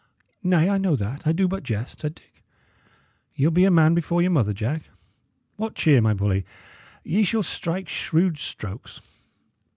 "Nay, I know that; I do but jest," said Dick. "Ye'll be a man before your mother, Jack. What cheer, my bully! Ye shall strike shrewd strokes.